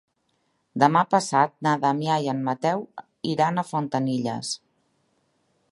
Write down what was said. Demà passat na Damià i en Mateu iran a Fontanilles.